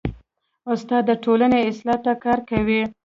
استاد د ټولنې اصلاح ته کار کوي.